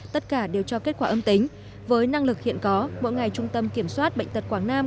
tất cả đều cho kết quả âm tính với năng lực hiện có mỗi ngày trung tâm kiểm soát bệnh tật quảng nam